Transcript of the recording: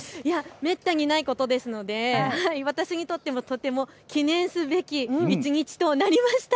めったにないことで私にとっても記念すべき一日となりました。